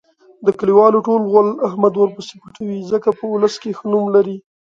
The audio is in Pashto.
د کلیوالو ټول غول احمد ورپسې پټوي. ځکه په اولس کې ښه نوم لري.